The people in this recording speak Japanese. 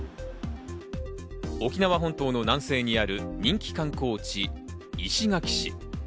沖縄本島の南西にある人気観光地・石垣市。